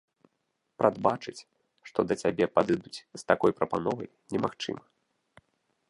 Прадбачыць, што да цябе падыдуць з такой прапановай, немагчыма.